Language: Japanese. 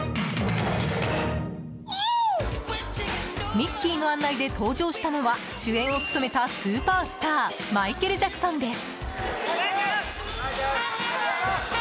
ミッキーの案内で登場したのは主演を務めたスーパースターマイケル・ジャクソンです。